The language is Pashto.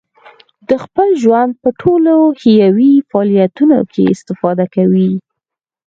د خپل ژوند په ټولو حیوي فعالیتونو کې استفاده کوي.